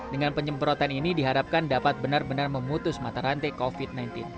dengan penyemprotan ini diharapkan dapat benar benar memutus mata rantai covid sembilan belas